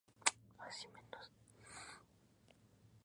La música de Nox Arcana es melódica y cambiante.